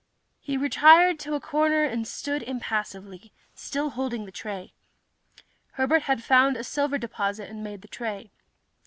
He retired to a corner and stood impassively, still holding the tray. Herbert had found a silver deposit and made the tray.